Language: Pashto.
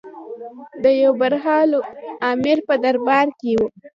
د یو برحال امیر په دربار کې.